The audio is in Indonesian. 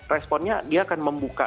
responnya dia akan membuka